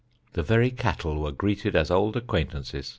The very cattle were greeted as old acquaintances.